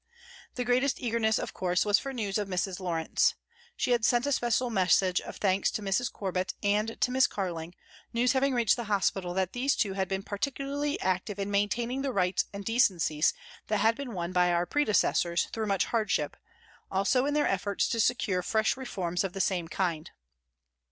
The greatest eagerness, of course, was for news of Mrs. Lawrence. She had sent a special message of thanks to Mrs. Corbett and to Miss Carling, news having reached the hospital that these two had been particularly active in maintaining the rights and decencies that had been won by our prede cessors through much hardship, also in their efforts to secure fresh reforms of the same kind.